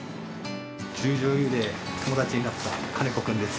十條湯で友達になった金子君です。